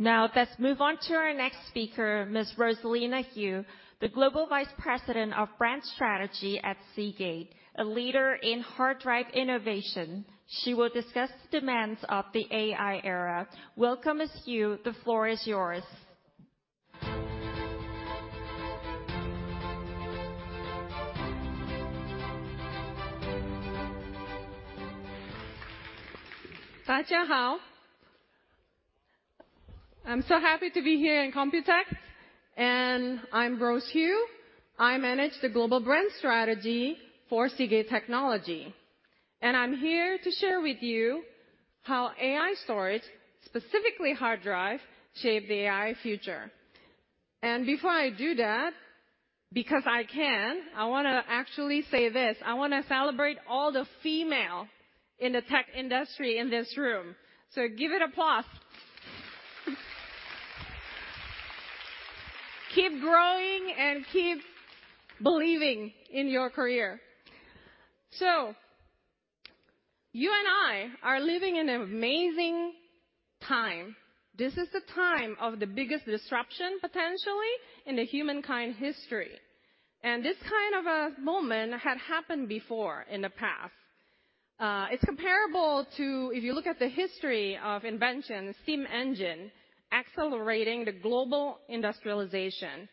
Now, let's move on to our next speaker, Ms. Rosalina Hiu, the Global Vice President of Brand Strategy at Seagate, a leader in hard drive innovation. She will discuss demands of the AI era. Welcome, Ms. Hiu. The floor is yours. I'm so happy to be here in Computex, and I'm Rosalina Hiu. I manage the global brand strategy for Seagate Technology, and I'm here to share with you how AI storage, specifically hard drive, shape the AI future. And before I do that, because I can, I wanna actually say this: I wanna celebrate all the female in the tech industry in this room. So give it applause. Keep growing and keep believing in your career. So, you and I are living in an amazing time. This is the time of the biggest disruption, potentially, in the humankind history, and this kind of a moment had happened before in the past. It's comparable to, if you look at the history of invention, steam engine, accelerating the global industrialization.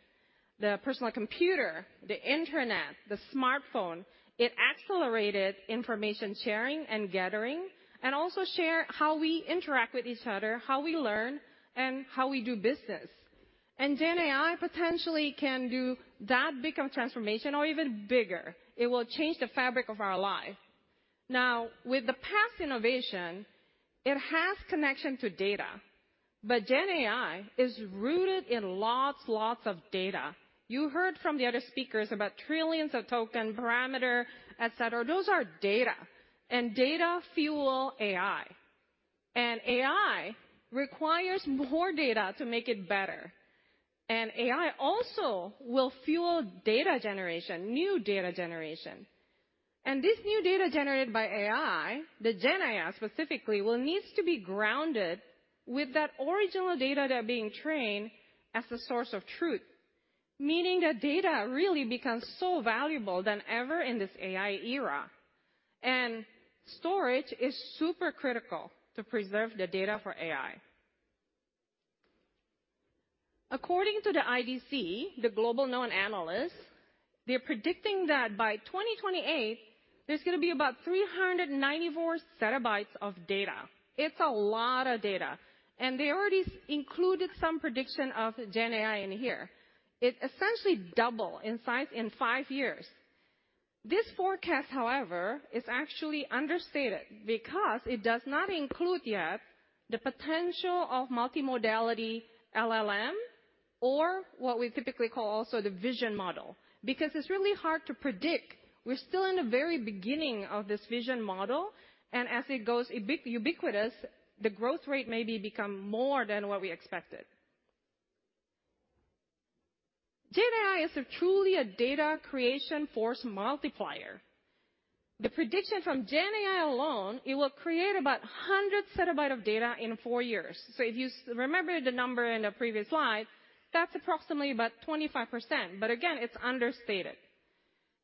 The personal computer, the internet, the smartphone, it accelerated information sharing and gathering, and also share how we interact with each other, how we learn, and how we do business. GenAI potentially can do that big of transformation or even bigger. It will change the fabric of our life. Now, with the past innovation, it has connection to data, but GenAI is rooted in lots and lots of data. You heard from the other speakers about trillions of token, parameter, et cetera. Those are data, and data fuel AI, and AI requires more data to make it better. AI also will fuel data generation, new data generation. This new data generated by AI, the GenAI specifically, will needs to be grounded with that original data that are being trained as the source of truth, meaning the data really becomes so valuable than ever in this AI era. Storage is super critical to preserve the data for AI. According to the IDC, the global known analyst, they're predicting that by 2028, there's gonna be about 394 zettabytes of data. It's a lot of data, and they already included some prediction of GenAI in here. It essentially double in size in five years. This forecast, however, is actually understated because it does not include yet the potential of multimodality LLM or what we typically call also the vision model, because it's really hard to predict. We're still in the very beginning of this vision model, and as it goes ubiquitous, the growth rate may become more than what we expected. GenAI is truly a data creation force multiplier. The prediction from GenAI alone, it will create about 100 zettabytes of data in four years. So if you remember the number in the previous slide, that's approximately about 25%, but again, it's understated.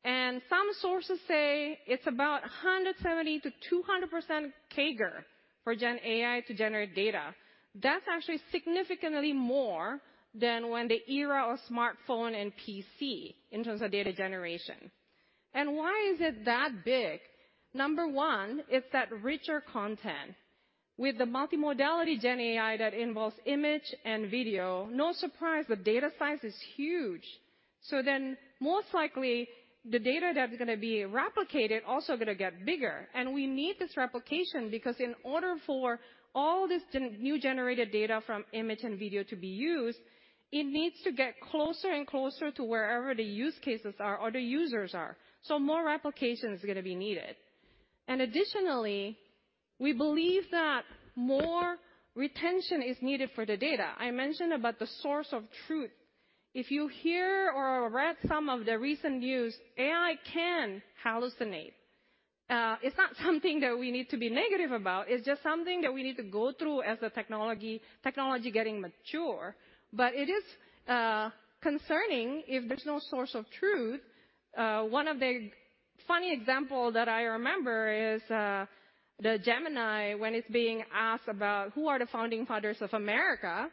And some sources say it's about 170%-200% CAGR for GenAI to generate data. That's actually significantly more than when the era of smartphone and PC in terms of data generation. And why is it that big? Number one, it's that richer content. With the multimodality GenAI that involves image and video, no surprise, the data size is huge. So then most likely, the data that is gonna be replicated also gonna get bigger. And we need this replication because in order for all this new generated data from image and video to be used, it needs to get closer and closer to wherever the use cases are or the users are. So more replication is gonna be needed. And additionally, we believe that more retention is needed for the data. I mentioned about the source of truth. If you hear or read some of the recent news, AI can hallucinate. It's not something that we need to be negative about, it's just something that we need to go through as the technology getting mature. But it is concerning if there's no source of truth. One of the funny example that I remember is the Gemini, when it's being asked about who are the Founding Fathers of America,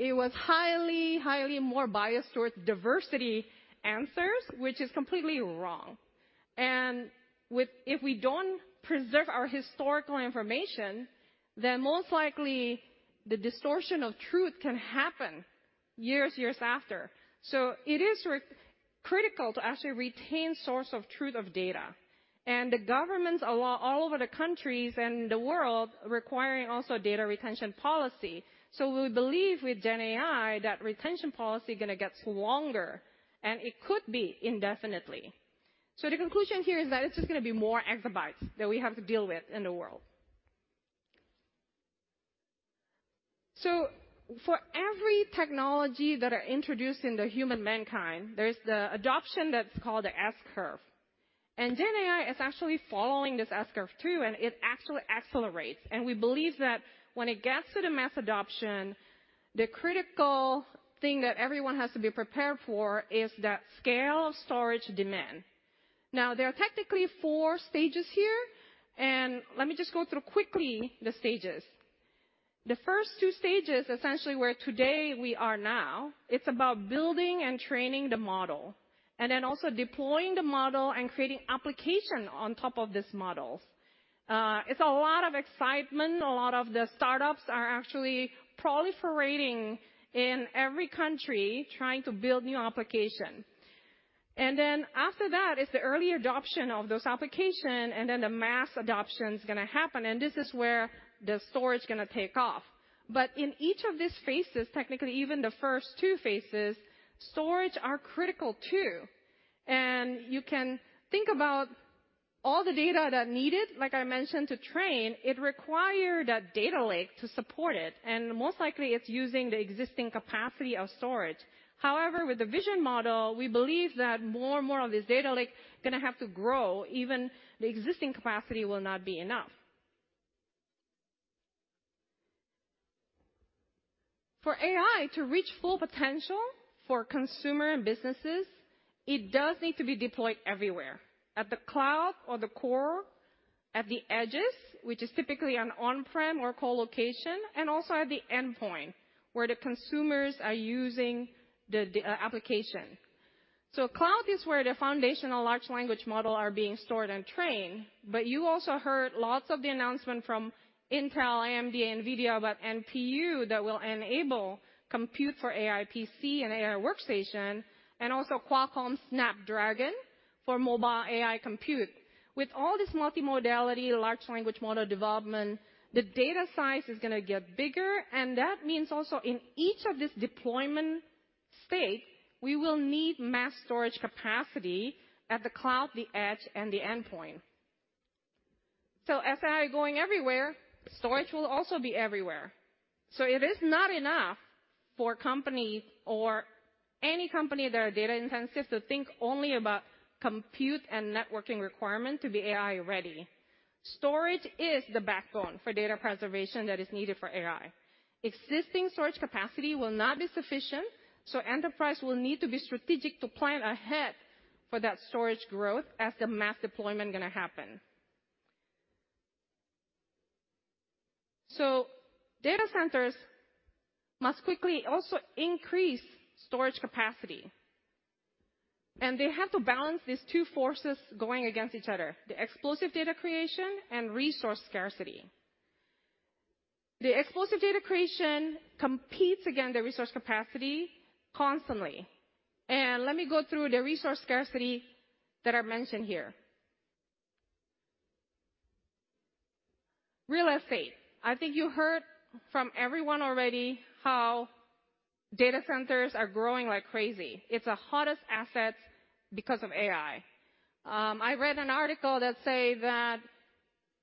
it was highly, highly more biased towards diversity answers, which is completely wrong. And if we don't preserve our historical information, then most likely, the distortion of truth can happen years, years after. So it is critical to actually retain source of truth of data. And the governments all over the countries and the world requiring also data retention policy. So we believe with Gen AI, that retention policy gonna get stronger, and it could be indefinitely. So the conclusion here is that it's just gonna be more exabytes that we have to deal with in the world. So for every technology that are introduced in the human mankind, there is the adoption that's called the S-curve. GenAI is actually following this S-curve too, and it actually accelerates. We believe that when it gets to the mass adoption, the critical thing that everyone has to be prepared for is that scale storage demand. Now, there are technically four stages here, and let me just go through quickly the stages. The first two stages, essentially, where today we are now, it's about building and training the model, and then also deploying the model and creating application on top of these models. It's a lot of excitement. A lot of the startups are actually proliferating in every country, trying to build new application. Then after that, is the early adoption of those application, and then the mass adoption is gonna happen, and this is where the storage is gonna take off. But in each of these phases, technically even the first two phases, storage are critical too. And you can think about all the data that's needed, like I mentioned, to train, it require that data lake to support it, and most likely it's using the existing capacity of storage. However, with the vision model, we believe that more and more of this data lake gonna have to grow, even the existing capacity will not be enough. For AI to reach full potential for consumer and businesses, it does need to be deployed everywhere: at the cloud or the core, at the edges, which is typically on-prem or colocation, and also at the endpoint, where the consumers are using the application. So cloud is where the foundational large language model are being stored and trained, but you also heard lots of the announcement from Intel, AMD, and NVIDIA about NPU, that will enable compute for AI PC and AI workstation, and also Qualcomm Snapdragon for mobile AI compute. With all this multimodality, large language model development, the data size is gonna get bigger, and that means also in each of these deployment state, we will need mass storage capacity at the cloud, the edge, and the endpoint. So as AI going everywhere, storage will also be everywhere. So it is not enough for company or any company that are data-intensive to think only about compute and networking requirement to be AI-ready. Storage is the backbone for data preservation that is needed for AI. Existing storage capacity will not be sufficient, so enterprise will need to be strategic to plan ahead for that storage growth as the mass deployment gonna happen. So data centers must quickly also increase storage capacity, and they have to balance these two forces going against each other, the explosive data creation and resource scarcity. The explosive data creation competes against the resource capacity constantly. Let me go through the resource scarcity that I mentioned here. Real estate. I think you heard from everyone already how data centers are growing like crazy. It's the hottest asset because of AI. I read an article that say that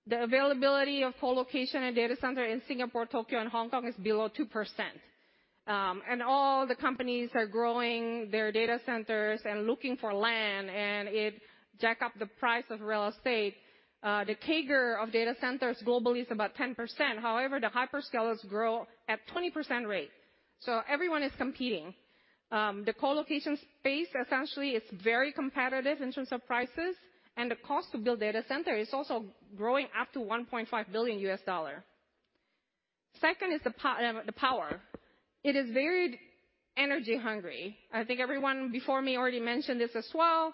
the availability of colocation and data center in Singapore, Tokyo, and Hong Kong is below 2%. All the companies are growing their data centers and looking for land, and it jack up the price of real estate. The CAGR of data centers globally is about 10%. However, the hyperscalers grow at 20% rate. So everyone is competing. The colocation space, essentially, is very competitive in terms of prices, and the cost to build data center is also growing up to $1.5 billion. Second is the power. It is very energy hungry. I think everyone before me already mentioned this as well.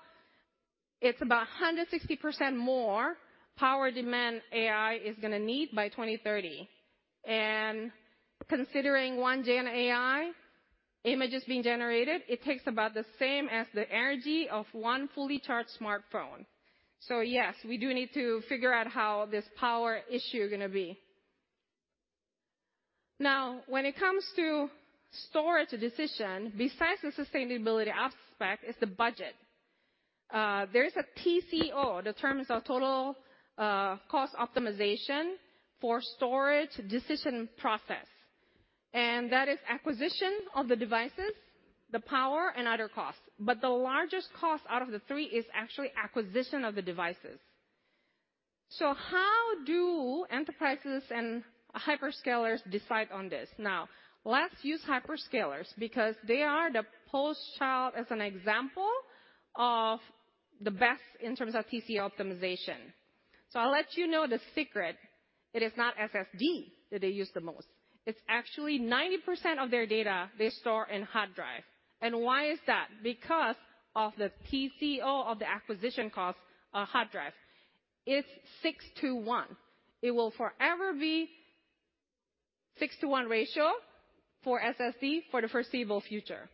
It's about 160% more power demand AI is gonna need by 2030. And considering one GenAI image is being generated, it takes about the same as the energy of one fully charged smartphone. So yes, we do need to figure out how this power issue is gonna be. Now, when it comes to storage decision, besides the sustainability aspect, is the budget. There is a TCO, the terms of total cost optimization for storage decision process, and that is acquisition of the devices, the power, and other costs. But the largest cost out of the three is actually acquisition of the devices. So how do enterprises and hyperscalers decide on this? Now, let's use hyperscalers, because they are the poster child as an example of the best in terms of TCO optimization. So I'll let you know the secret. It is not SSD that they use the most. It's actually 90% of their data they store in hard drive. And why is that? Because of the TCO of the acquisition cost of hard drive. It's 6-to-1. It will forever be 6-to-1 ratio for SSD for the foreseeable future.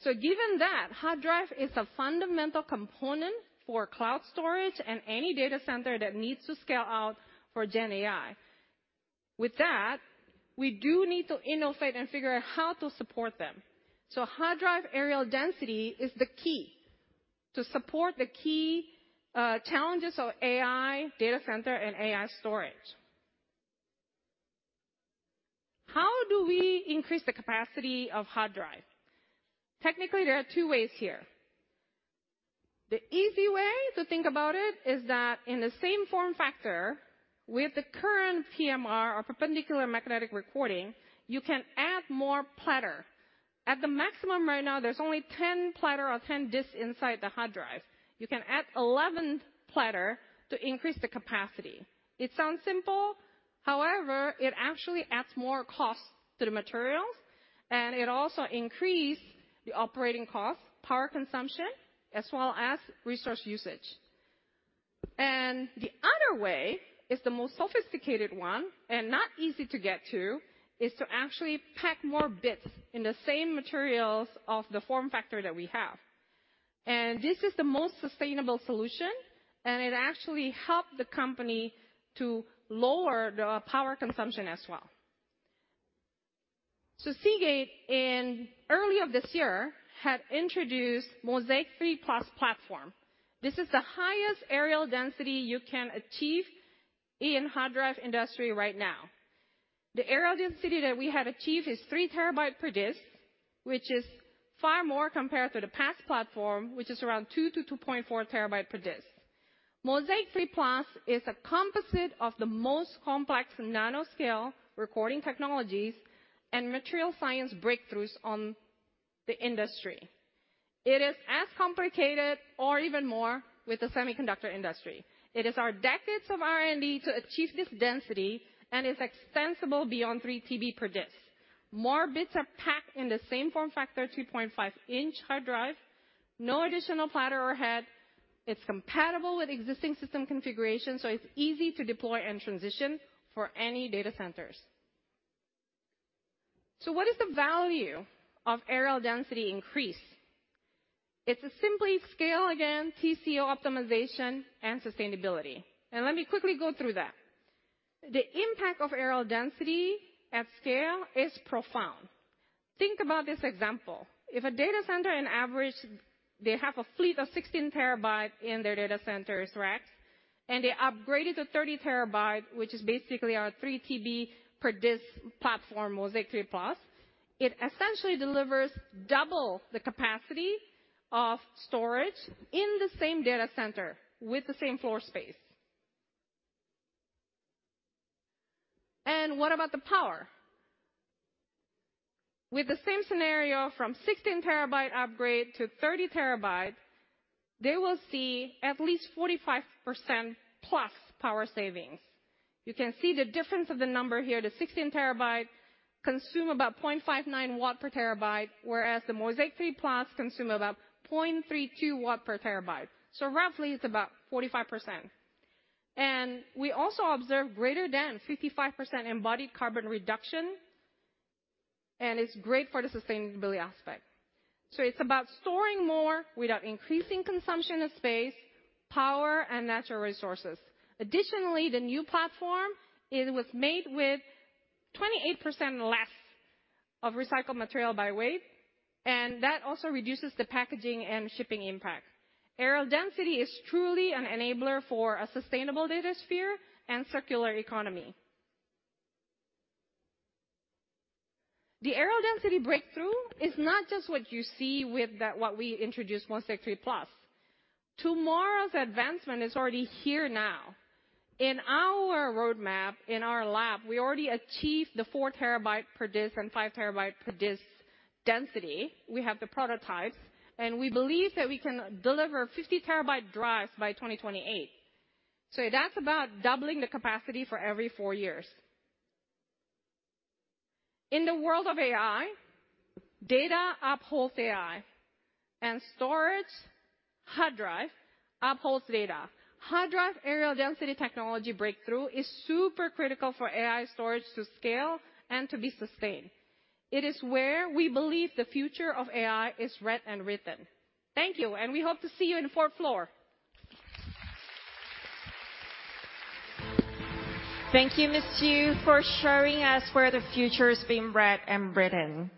So given that, hard drive is a fundamental component for cloud storage and any data center that needs to scale out for GenAI. With that, we do need to innovate and figure out how to support them. So hard drive areal density is the key to support the key challenges of AI, data center, and AI storage. How do we increase the capacity of hard drive? Technically, there are two ways here. The easy way to think about it is that in the same form factor, with the current PMR, or perpendicular magnetic recording, you can add more platter. At the maximum right now, there's only 10 platter or 10 disks inside the hard drive. You can add 11th platter to increase the capacity. It sounds simple; however, it actually adds more cost to the materials, and it also increases the operating costs, power consumption, as well as resource usage. The other way is the most sophisticated one, and not easy to get to, is to actually pack more bits in the same materials of the form factor that we have. This is the most sustainable solution, and it actually helped the company to lower the power consumption as well. So Seagate, in early this year, had introduced Mozaic 3+ platform. This is the highest areal density you can achieve in hard drive industry right now. The areal density that we have achieved is 3 TB per disk, which is far more compared to the past platform, which is around 2-2.4 TB per disk. Mozaic 3+ is a composite of the most complex nanoscale recording technologies and material science breakthroughs on the industry. It is as complicated or even more with the semiconductor industry. It is our decades of R&D to achieve this density, and is extensible beyond 3 TB per disk. More bits are packed in the same form factor, 3.5-inch hard drive, no additional platter or head. It's compatible with existing system configuration, so it's easy to deploy and transition for any data centers. So what is the value of areal density increase? It's simply scale, again, TCO optimization and sustainability. And let me quickly go through that. The impact of areal density at scale is profound. Think about this example: If a data center, in average, they have a fleet of 16 terabyte in their data centers racks, and they upgraded to 30 terabyte, which is basically our 3 TB per disk platform, Mozaic 3+, it essentially delivers double the capacity of storage in the same data center with the same floor space. And what about the power? With the same scenario from 16 terabyte upgrade to 30 terabyte, they will see at least 45%+ power savings. You can see the difference of the number here. The 16 terabyte consume about 0.59 watt per terabyte, whereas the Mozaic 3+ consume about 0.32 watt per terabyte. So roughly, it's about 45%. And we also observe greater than 55% embodied carbon reduction, and it's great for the sustainability aspect. So it's about storing more without increasing consumption of space, power, and natural resources. Additionally, the new platform, it was made with 28% less of recycled material by weight, and that also reduces the packaging and shipping impact. Areal density is truly an enabler for a sustainable datasphere and circular economy. The areal density breakthrough is not just what you see with that, what we introduced, Mozaic 3+. Tomorrow's advancement is already here now. In our roadmap, in our lab, we already achieved the 4 TB per disk and 5 TB per disk density. We have the prototypes, and we believe that we can deliver 50 TB drives by 2028. So that's about doubling the capacity for every four years. In the world of AI, data upholds AI, and storage, hard drive, upholds data. Hard drive areal density technology breakthrough is super critical for AI storage to scale and to be sustained. It is where we believe the future of AI is read and written. Thank you, and we hope to see you in fourth floor. Thank you, Miss Hiu, for showing us where the future is being read and written.